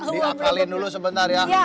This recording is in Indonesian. diakalin dulu sebentar ya